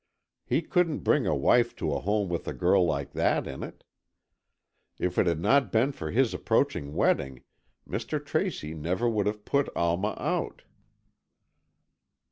He couldn't bring a wife to a home with a girl like that in it. If it had not been for his approaching wedding, Mr. Tracy never would have put Alma out."